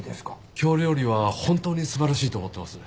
京料理は本当に素晴らしいと思ってます。